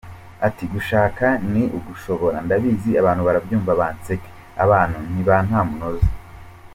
Ati “Gushaka ni ugushobora, ndabizi abantu barabyumva banseke, abantu nib a nta munoza.